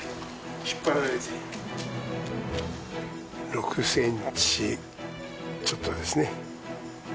６ｃｍちょっとですね。